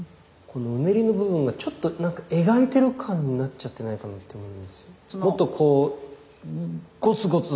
このうねりの部分がちょっとなんか描いてる感になっちゃってないかなと思うんですよ。